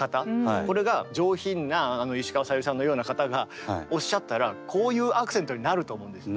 これが上品なあの石川さゆりさんのような方がおっしゃったらこういうアクセントになると思うんですよね。